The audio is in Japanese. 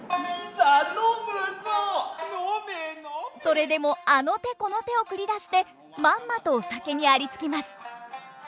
それでもあの手この手を繰り出してまんまとお酒にありつきます！